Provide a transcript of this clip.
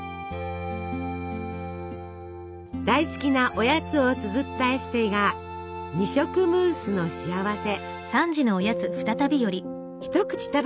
大好きなおやつをつづったエッセイが「二色ムースのしあわせ」。